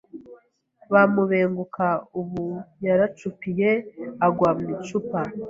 Bamubenguka Ubu yaracupiye agwa mu icupa